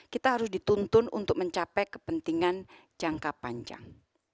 kita harus dituntun untuk mencapai kepentingan jangka panjang